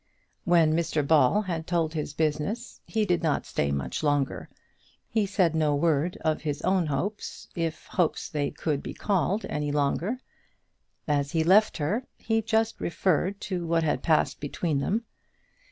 When Mr Ball had told his business he did not stay much longer. He said no word of his own hopes, if hopes they could be called any longer. As he left her, he just referred to what had passed between them.